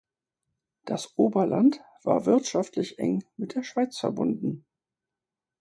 Das Oberland war wirtschaftlich eng mit der Schweiz verbunden.